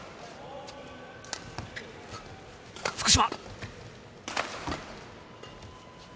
福島。